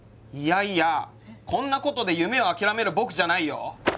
いやいやこんなことで夢を諦める僕じゃないよ。